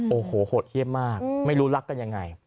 โอ้โหโหดเยี่ยมมากไม่รู้รักกันยังไง